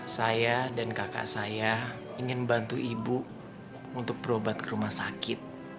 saya dan kakak saya ingin bantu ibu untuk berobat ke rumah sakit